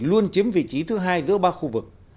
luôn chiếm vị trí thứ hai giữa ba khu vực